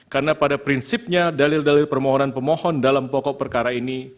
karena pada prinsipnya dalil dalil permohonan pemohon dalam pokok perkara ini